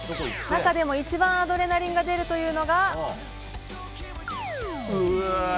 中でも、一番アドレナリンが出るというのが。